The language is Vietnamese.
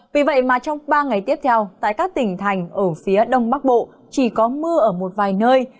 vì vậy mà trong ba ngày tiếp theo tại các tỉnh thành ở phía đông bắc bộ chỉ có mưa ở một vài nơi